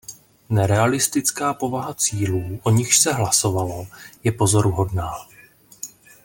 Nerealistická povaha cílů, o nichž se hlasovalo, je pozoruhodná.